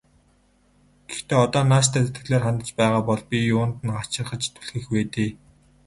Гэхдээ одоо нааштай сэтгэлээр хандаж байгаа бол бид юунд нь хачирхаж түлхэх вэ дээ.